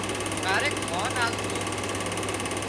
ڪاريڪ مانه آلتو